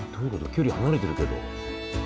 距離離れてるけど。